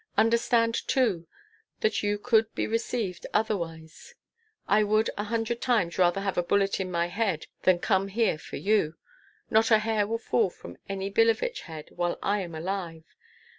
Understand, too, that could you be received otherwise, I would a hundred times rather have a bullet in my head than come here for you. Not a hair will fall from any Billevich head while I am alive.